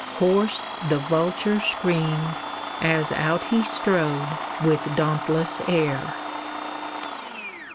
Hoarse the vulture screamed, As out he strode with dauntless air.